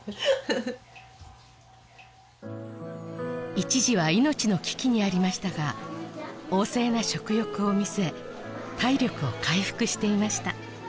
一時は命の危機にありましたが旺盛な食欲を見せ体力を回復していました